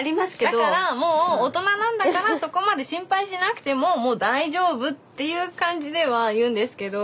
だからもう大人なんだからそこまで心配しなくてももう大丈夫っていう感じでは言うんですけど。